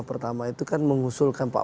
pertama itu kan mengusulkan pak